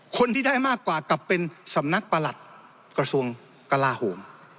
คนที่ได้มากกว่ากลับเป็นสำนักประหลัดกระทรวงกลาโหม